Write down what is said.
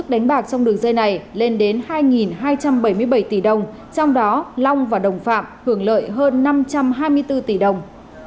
đánh bạc trong đường dây này lên đến hai hai trăm bảy mươi bảy tỷ đồng trong đó long và đồng phạm hưởng lợi hơn năm trăm hai mươi bốn tỷ đồng